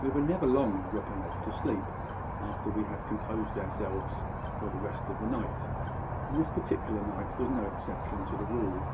"We were never long in dropping off to sleep after we had composed ourselves to rest for the night, and this particular night was no exception to the rule.